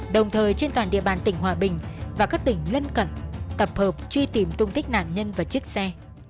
đồng thời trên toàn địa bàn tỉnh hòa bình và các tỉnh lân cận tập hợp truy tìm tung tích nạn nhân và chiếc xe